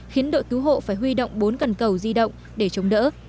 khiến đội cứu hộ phải huy động bốn cần cầu di động để chống đỡ